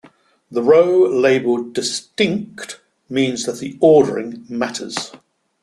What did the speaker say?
The row labeled "Distinct" means that the ordering matters.